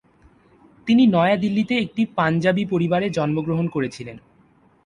তিনি নয়াদিল্লিতে একটি পাঞ্জাবী পরিবারে জন্মগ্রহণ করেছিলেন।